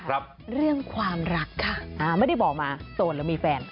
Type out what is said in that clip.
เรื่องความรักค่ะอ่าไม่ได้บอกมาโสดหรือมีแฟน